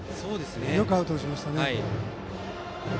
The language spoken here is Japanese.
よくアウトにしましたね。